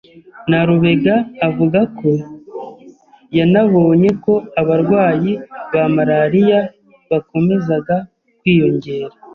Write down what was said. Nalubega avuga ko yanabonye ko abarwayi ba malaria bakomezaga kwiyongera